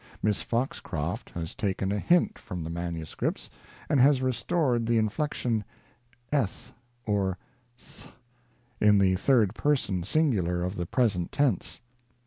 Miss Foxcroft has taken a hint from the manuscripts, and has restored the inflection eth, or th, in the third person singular of the present tense.